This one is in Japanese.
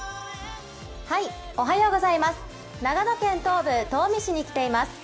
長野県東部、東御市に来ています。